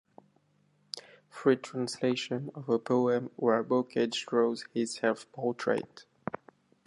Free translation of a poem where Bocage draws his self-portrait.